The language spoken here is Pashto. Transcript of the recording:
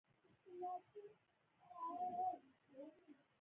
د دولت تر کنټرول لاندې د صنعت پراختیا وه